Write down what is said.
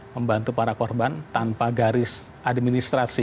membantu para korban tanpa garis administrasi